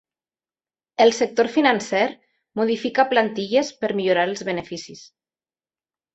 El sector financer modifica plantilles per millorar els beneficis.